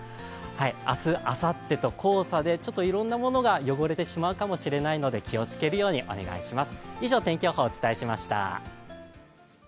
明日、あさってと黄砂でいろんなものが汚れてしまうかもしれないので、気をつけるようにお願いします。